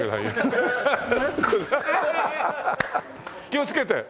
気をつけて。